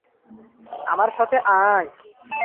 আমার সাথে আয়।